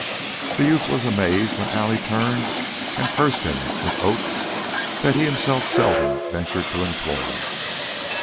The youth was amazed when Allie turned and cursed him with oaths that he himself seldom ventured to employ.